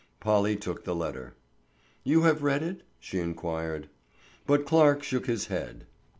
Polly took the letter. "You have read it?" she inquired. But Clarke shook his head.